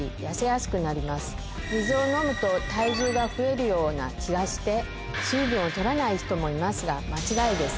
水を飲むと体重が増えるような気がして水分を取らない人もいますが間違いです。